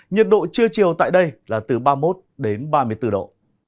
nhiệt độ trưa chiều tại đây là từ ba mươi một đến ba mươi bốn độ